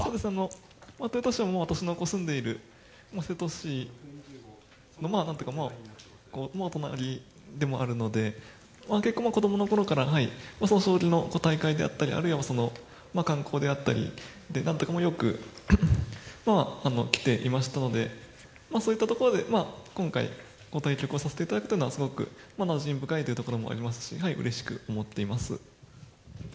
私の住んでいる瀬戸市の隣でもあるので子供のころから将棋の大会であったりあるいは、観光であったりでよく来ていましたのでそういったところで今回、対局をさせていただくというのはなじみ深いというところもありますしうれしく思っています。